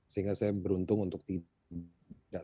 sehingga saya beruntung untuk tidak